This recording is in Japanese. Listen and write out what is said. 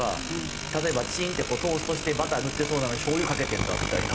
例えばチーンってトーストしてバター塗ってそうなのにしょうゆかけてんだみたいな。